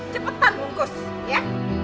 cepetan bungkus ya